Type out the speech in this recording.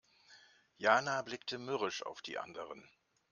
Jana blickte mürrisch auf die anderen.